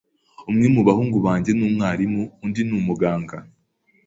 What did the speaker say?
Umwe mu bahungu banjye ni umwarimu, undi ni umuganga.